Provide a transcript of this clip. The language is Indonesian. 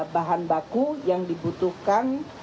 bahan baku yang dibutuhkan